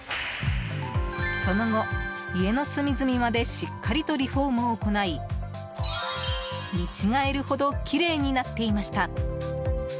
その後、家の隅々までしっかりとリフォームを行い見違えるほどきれいになっていました。